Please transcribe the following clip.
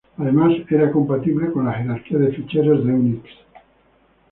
Además era compatible con la jerarquía de ficheros de Unix.